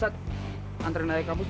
tungguin aja dulu